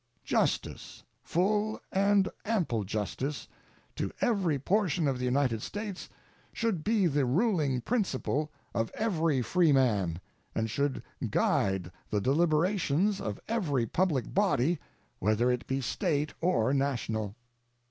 Justice full and ample justice to every portion of the United States should be the ruling principle of every freeman, and should guide the deliberations of every public body, whether it be State or national.